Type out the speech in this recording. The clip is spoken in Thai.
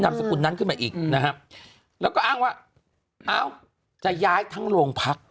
สกุลนั้นขึ้นมาอีกนะฮะแล้วก็อ้างว่าเอ้าจะย้ายทั้งโรงพัก